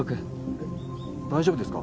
えっ大丈夫ですか？